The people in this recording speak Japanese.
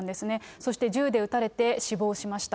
そして銃で撃たれて死亡しました。